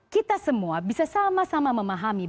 kita semua bisa sama sama memahami